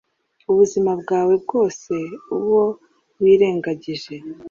ubuzima bwawe bwose, uwo wirengagije